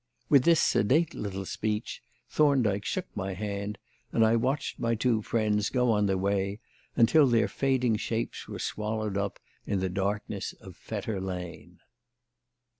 With this sedate little speech Thorndyke shook my hand, and I watched my two friends go on their way until their fading shapes were swallowed up in the darkness of Fetter Lane.